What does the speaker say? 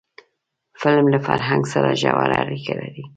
قلم له فرهنګ سره ژوره اړیکه لري